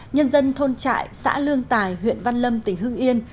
nhân dân thôn trại xã lương tài huyện văn lâm tỉnh hưng yên